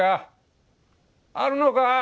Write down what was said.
あるのか？